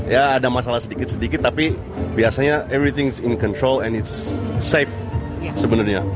ya ada masalah sedikit sedikit tapi biasanya everything is in control and it s safe sebenarnya